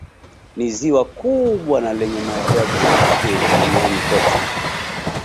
Ni ziwa kubwa na lenye maajabu ya pekee Duniani kote